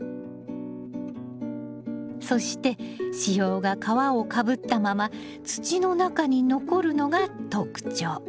そして子葉が皮をかぶったまま土の中に残るのが特徴。